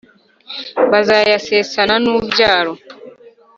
bazayasesana n`ubyaro